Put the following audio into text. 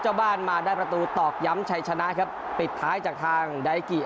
เจ้าบ้านมาได้ประตูตอกย้ำชัยชนะครับปิดท้ายจากทางไดกิ